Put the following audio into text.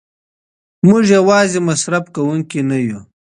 موږ یوازې مصرف کوونکي نه یو.